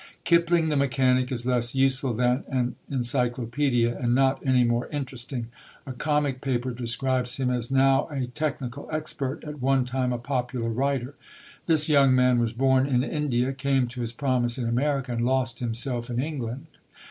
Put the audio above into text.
Kipling the Mechanic is less useful than an encyclopædia, and not any more interesting. A comic paper describes him as "now a technical expert; at one time a popular writer. This young man was born in India, came to his promise in America, and lost himself in England.